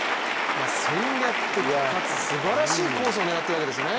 戦略的かつ、すばらしいコースを狙っているわけですね。